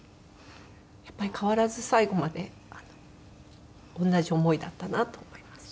やっぱり変わらず最後まで同じ思いだったなと思いますね。